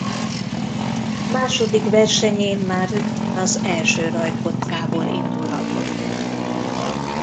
Második versenyén már rögtön az első rajtkockából indulhatott.